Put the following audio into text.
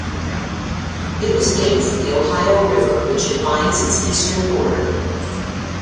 It was named for the Ohio River, which defines its eastern border.